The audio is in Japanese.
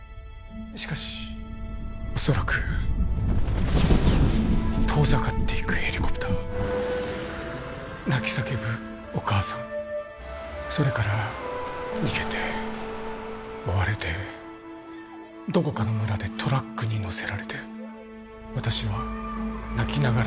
しかし恐らく遠ざかっていくヘリコプター泣き叫ぶお母さんそれから逃げて追われてどこかの村でトラックに乗せられて私は泣きながら叫び続けていました